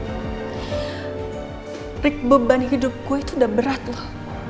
perik beban hidup gue itu udah berat loh